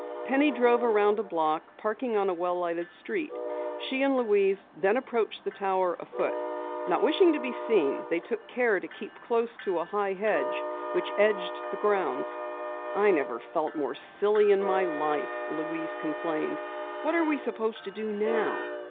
Penny drove around a block, parking on a well lighted street. She and Louise then approached the tower afoot. Not wishing to be seen, they took care to keep close to a high hedge which edged the grounds. "I never felt more silly in my life," Louise complained. "What are we supposed to do now?"